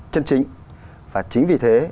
chân chính và chính vì thế